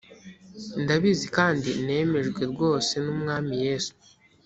ndabizi kandi nemejwe rwose n umwami yesu